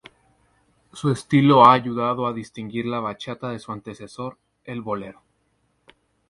Su estilo ha ayudado a distinguir la bachata de su antecesor, el bolero.